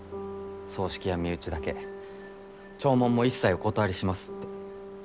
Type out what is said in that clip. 葬式は身内だけ弔問も一切お断りしますって。